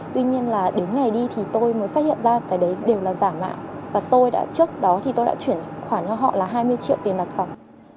tuy nhiên là đến ngày đi thì tôi mới phát hiện ra cái đấy đều là giả mạo và tôi đã trước đó thì tôi đã chuyển khoản cho họ là hai mươi triệu tiền đặt cọc